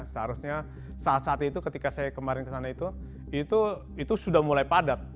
seharusnya saat saat itu ketika saya kemarin ke sana itu itu sudah mulai padat